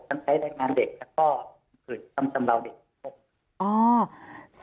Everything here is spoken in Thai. ทั้งใช้แรงงานเด็กแล้วก็คือทำจำลาวเด็ก